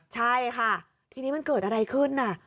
ใช่ค่ะทีนี้มันเกิดอะไรขึ้นน่ะ